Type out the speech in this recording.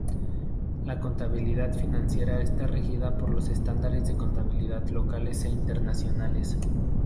La contabilidad financiera está regida por los estándares de contabilidad locales e internacionales.